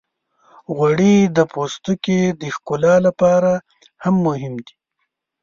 غوړې د پوستکي د ښکلا لپاره هم مهمې دي.